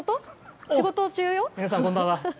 皆さん、こんばんは。